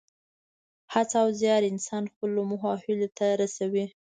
هڅه او زیار انسان خپلو موخو او هیلو ته رسوي.